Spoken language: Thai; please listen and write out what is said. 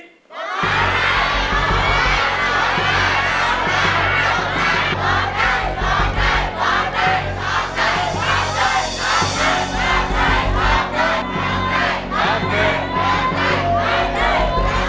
ร้องได้๘๐๐๐๐บาท